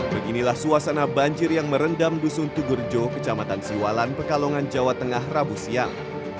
beginilah suasana banjir yang merendam dusun tugurjo kecamatan siwalan pekalongan jawa tengah rabu siang